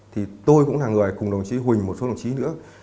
thì tôi cũng là người cùng đồng chí huỳnh một số đồng chí nữa